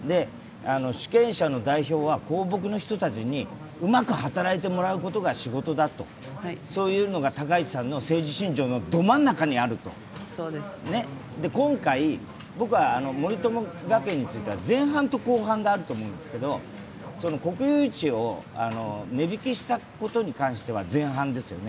主権者の代表は公僕の人たちにうまく働いてもらうことが仕事だと、そういうのが高市さんの政治信条のど真ん中にあると、今回、僕は森友学園については前半と後半があると思うんですけど、国有地を値引きしたことに関しては前半ですよね。